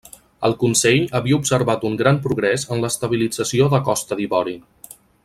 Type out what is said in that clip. El Consell havia observat un gran progrés en l'estabilització de Costa d'Ivori.